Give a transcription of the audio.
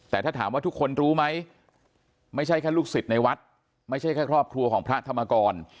แต่ถ้าถามว่าทุกคนรู้ไหมไม่ใช่แค่ลูกศิษย์ในวัดไม่ใช่แค่ครอบครัวของพระธรรมกร